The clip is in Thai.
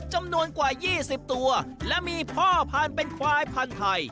จำนวนกว่า๒๐ตัวและมีพ่อพันธุ์เป็นควายพันธุ์ไทย